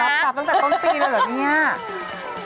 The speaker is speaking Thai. รับตัวตั้งแต่ต้นปีแล้วเหรอเนี่ย